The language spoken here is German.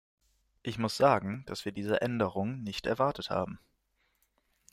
Ich muss sagen, dass wir diese Änderung nicht erwartet haben.